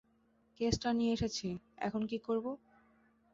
কেসটা নিয়ে এসেছি, এখন কী করবো?